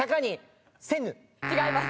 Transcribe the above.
違います。